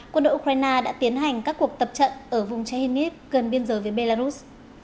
quân đội ukraine đã tiến hành các cuộc tập trận ở vùng charhiniv gần biên giới với belarus